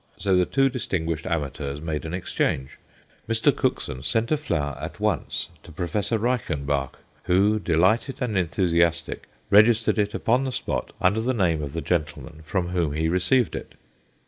So the two distinguished amateurs made an exchange. Mr. Cookson sent a flower at once to Professor Reichenbach, who, delighted and enthusiastic, registered it upon the spot under the name of the gentleman from whom he received it.